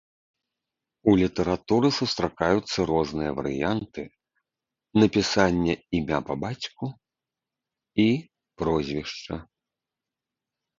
У літаратуры сустракаюцца розныя варыянты напісання імя па бацьку і прозвішча.